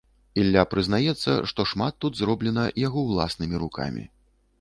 Ілля прызнаецца, што шмат тут зроблена яго ўласнымі рукамі.